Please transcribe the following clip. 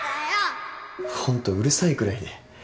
ホントうるさいくらいで。